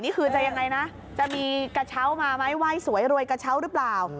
นี่คือจะยังไงนะจะมีกระเช้ามาไหมไหว้สวยรวยกระเช้าหรือเปล่า